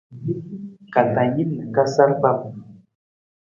Ka tang jin na ka sar pam.